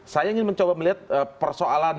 saya ingin mencoba melihat persoalan